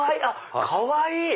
かわいい！